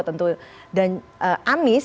tentu dan amis